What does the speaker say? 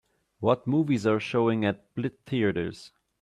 What movies are showing at Plitt Theatres.